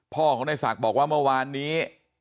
พ่อของในศักดิ์บอกว่าเมื่อวานนี้